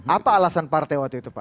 apa alasan partai waktu itu pak